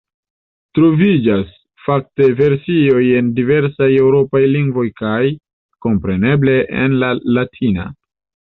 Troviĝas, fakte, versioj en diversaj eŭropaj lingvoj kaj, kompreneble, en la latina.